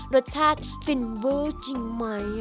รสชาติฟินเวิลจริงไหมอ่ะ